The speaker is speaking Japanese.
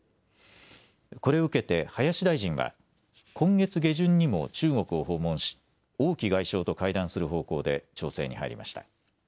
これを受けて林大臣は今月下旬にも中国を訪問し王毅外相と会談する方向で調整に入りました。